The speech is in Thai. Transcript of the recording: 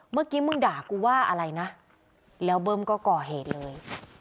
เมื่อกี้มึงด่ากูว่าอะไรนะแล้วเบิ้มก็ก่อเหตุเลย